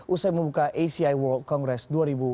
usai membuka aci world congress dua ribu enam belas